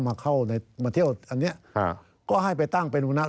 วันนี้ก็ให้ไปตั้งเป็นวุฒิอยาร